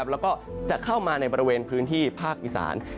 แล้วก็จะเข้ามาในบริเวณพื้นที่ภาคอีสาน